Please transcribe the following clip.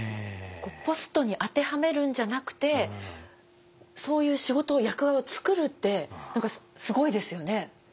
ポストに当てはめるんじゃなくてそういう仕事役割を作るって何かすごいですよね。